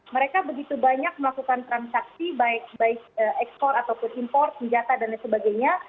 mereka begitu banyak melakukan transaksi baik baik ekspor ataupun impor senjata dan lain sebagainya